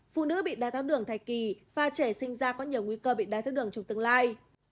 phụ nữ bị đai thác đường thai kỳ và trẻ sinh ra có nhiều nguy cơ bị đai thác đường trong tương lai